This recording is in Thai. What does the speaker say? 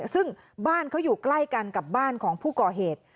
ซึ่งบ้านเขาอยู่ใกล้กันกับบ้านของผู้ก่อเหตุ